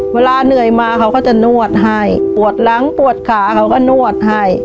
เวลาเหนื่อยมาเขาก็จะนวดให้ปวดหลังปวดขาเขาก็นวดให้